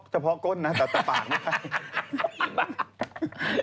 เฉพาะก้นนะแต่ปากไม่ไห้